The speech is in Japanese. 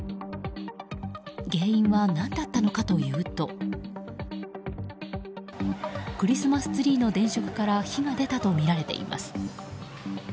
原因は何だったのかというとクリスマスツリーの電飾から火が出たとみられています。